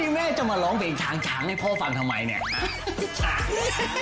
นี่แม่จะมาร้องเปลี่ยนชางให้พ่อฟังทำไมนี่